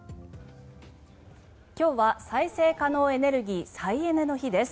今日は再生可能エネルギー再エネの日です。